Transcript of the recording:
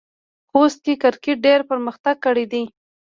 خوست کې کرکټ ډېر پرمختګ کړی دی.